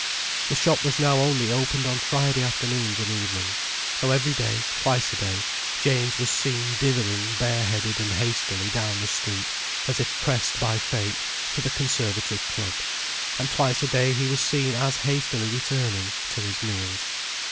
The shop was now only opened on Friday afternoons and evenings, so every day, twice a day, James was seen dithering bare headed and hastily down the street, as if pressed by fate, to the Conservative Club, and twice a day he was seen as hastily returning, to his meals.